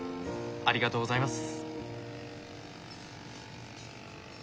ありがとうございます。